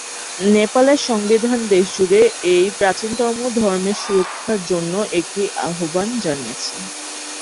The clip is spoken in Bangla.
নেপালের সংবিধান দেশজুড়ে এই প্রাচীনতম ধর্মের সুরক্ষার জন্য একটি আহ্বান জানিয়েছে।